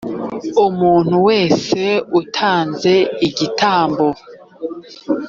umuntu wese utanze igitambo